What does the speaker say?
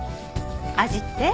味って？